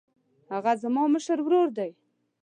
هغه زما مشر ورور دی.